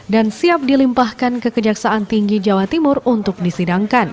dan siap dilimpahkan ke kejaksaan tinggi jawa timur untuk disidangkan